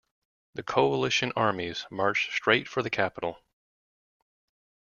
The Coalition armies marched straight for the capital.